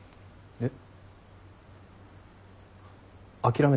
えっ？